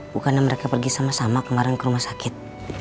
bukannya mereka pergi sama sama kemarin ke rumah sakit